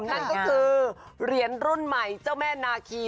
นั่นก็คือเหรียญรุ่นใหม่เจ้าแม่นาคี